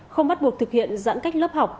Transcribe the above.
không bắt buộc thực hiện giãn cách lớp học